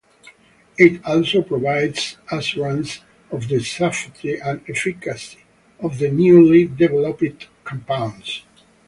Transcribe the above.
It also provides assurance of the safety and efficacy of the newly developed compounds.